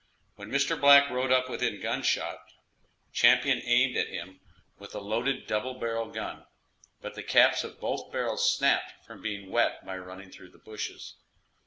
When Mr. Black rode up within gunshot, Champion aimed at him with a loaded double barrel gun, but the caps of both barrels snapped from being wet by running through the bushes.